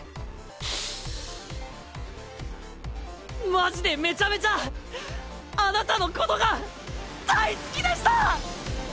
マジでめちゃめちゃあなたのことが大好きでした！